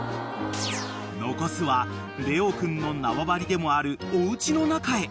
［残すはレオ君の縄張りでもあるおうちの中へ］